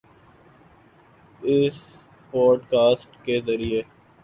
اس podcast کے ذریعے